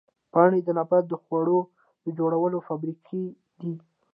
پاڼې د نبات د خوړو جوړولو فابریکې دي